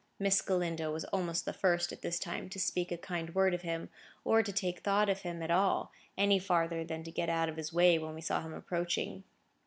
Miss Galindo was almost the first, at this time, to speak a kind word of him, or to take thought of him at all, any farther than to get out of his way when we saw him approaching.